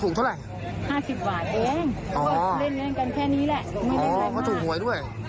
อ๋อเขาถูกหวยด้วย